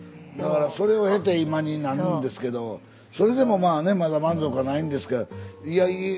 だからそれを経て今になるんですけどそれでもまあねまだ満足はないんですがいやいい